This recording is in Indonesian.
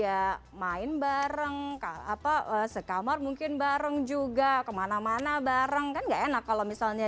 ya main bareng apa sekamar mungkin bareng juga kemana mana bareng kan enggak enak kalau misalnya